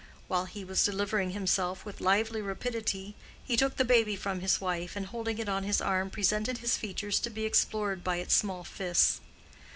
While he was delivering himself with lively rapidity, he took the baby from his wife and holding it on his arm presented his features to be explored by its small fists.